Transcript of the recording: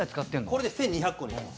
これで１２００個でございます。